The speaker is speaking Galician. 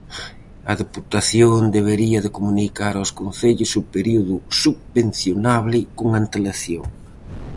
A Deputación debería de comunicar aos concellos o período subvencionable, con antelación.